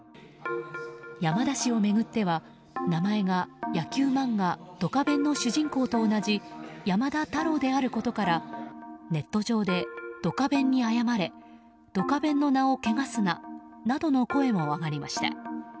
山田氏を巡っては名前が野球漫画「ドカベン」の主人公と同じ山田太郎であることからネット上で、ドカベンに謝れドカベンの名を汚すななどの声も上がりました。